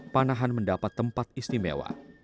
panahan mendapat tempat istimewa